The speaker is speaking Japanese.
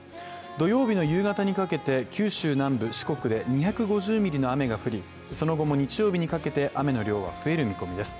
土曜日の夕方にかけて九州南部・四国で２５０ミリの雨が降り、その後、日曜日にかけて雨の量は増える見込みです。